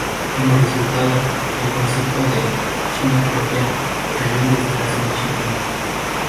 Como resultado, el concepto de "China propia" cayó en desgracia en China.